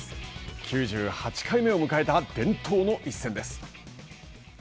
９８回目を迎えた伝統の一戦です。